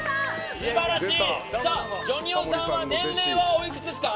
ジョニ男さんは年齢はおいくつですか？